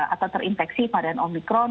atau terinfeksi varian omikron